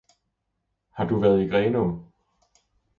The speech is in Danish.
Har du været i Grenaa